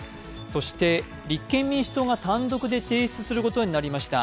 そして立憲民主党が単独で提出することになりました